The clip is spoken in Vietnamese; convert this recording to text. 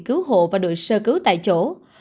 cứu hộ và đội sơ cứu tại chỗ